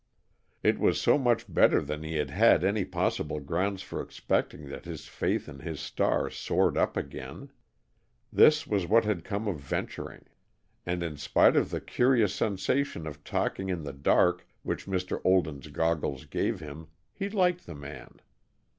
It was so much better than he had had any possible grounds for expecting that his faith in his star soared up again. This was what came of venturing! And in spite of the curious sensation of talking in the dark which Mr. Olden's goggles gave him, he liked the man.